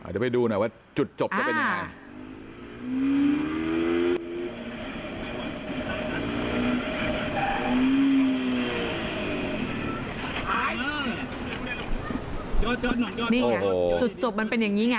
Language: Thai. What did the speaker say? จะไปดูหน่อยว่าจุดจบเป็นยังไง